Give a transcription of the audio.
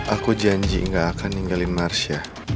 aku janji gak akan ninggalin marsha